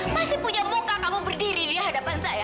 masih punya muka kamu berdiri di hadapan saya